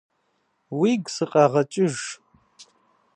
Уигу сыкъэгъэкӀыж.